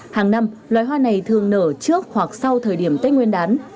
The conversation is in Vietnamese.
hàng năm loài hoa này thường nở trước hoặc sau thời điểm tết nguyên đán